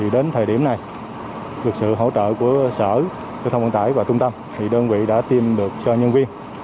đến thời điểm này được sự hỗ trợ của sở thông vận tải và trung tâm thì đơn vị đã tiêm được cho nhân viên